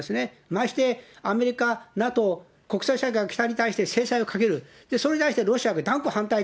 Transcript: ましてアメリカ、ＮＡＴＯ、国際社会に対して制裁をかける、それに対して、ロシアが断固反対。